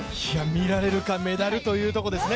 見られるか、メダルというところですね。